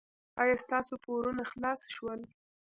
ایا ستاسو پورونه خلاص شول؟